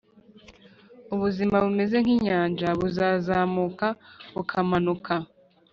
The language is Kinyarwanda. ubuzima bumeze nkinyanja, burazamuka bukamanuka.